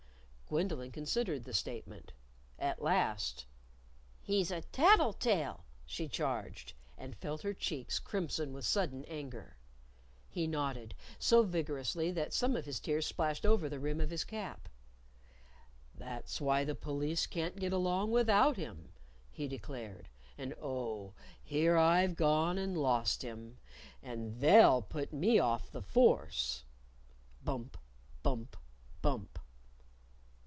Gwendolyn considered the statement. At last, "He's a tattletale!" she charged, and felt her cheeks crimson with sudden anger. He nodded so vigorously that some of his tears splashed over the rim of his cap. "That's why the Police can't get along without him," he declared. "And, oh, here I've gone and lost him! And They'll put me off the Force!" (Bump! bump! bump!)